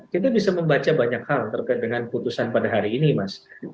kita bisa membaca banyak hal terkait dengan putusan pada hari ini mas